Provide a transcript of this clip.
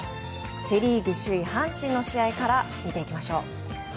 セ・リーグ首位、阪神の試合から見ていきましょう。